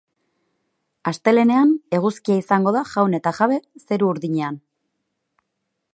Astelehenean eguzkia izango da jaun eta jabe zeru urdinean.